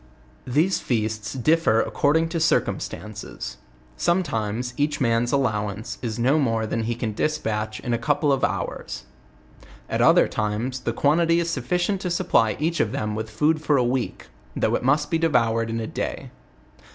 These feasts differ according to circumstances; sometimes each man's allowance is no more than he can despatch in a couple of hours. At other times the quantity is sufficient to supply each of them with food for a week, though it must be devoured in a day.